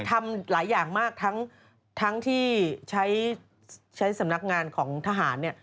ทำหลายอย่างมากทั้งที่ใช้สำนักงานของทหารเนี่ย